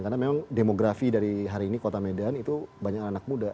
karena memang demografi dari hari ini kota medan itu banyak anak muda